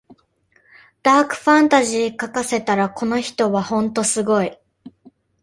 ダークファンタジー書かせたらこの人はほんとすごい